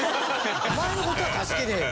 お前の事は助けねえよ。